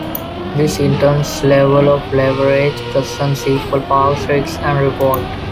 This intense level of leverage presents equal parts risk and reward.